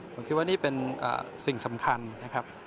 ผมคิดว่านี่เป็นสิ่งสำคัญนะครับ